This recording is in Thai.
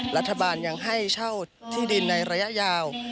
รัฐบาลยังให้เช่าที่ดินในระยะยาว